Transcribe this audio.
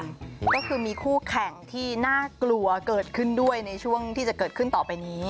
ก็คือมีคู่แข่งที่น่ากลัวเกิดขึ้นด้วยในช่วงที่จะเกิดขึ้นต่อไปนี้